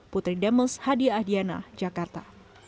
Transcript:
putri demes hadiah diana jakarta